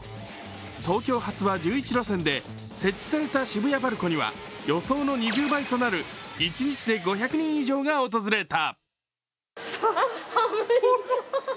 東京発は１１路線で、設置された渋谷ＰＡＲＣＯには予想の２０倍となる一日で５００人以上が訪れた。